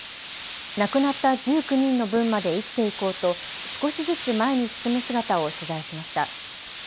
亡くなった１９人の分まで生きていこうと少しずつ前に進む姿を取材しました。